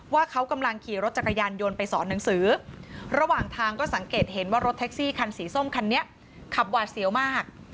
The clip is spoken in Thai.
ว่าเขากำลังขี่รถจักรยานยนต์ไปสอนหนังสือระหว่างทางก็สังเกตเห็นว่ารถแท็กซี่คันสีส้มคันนี้ขับหวาดเสียวมาก